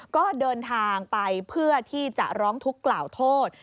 ก็เดินทางไปเพื่อที่จะร้องทุกข์กล่าวโทษ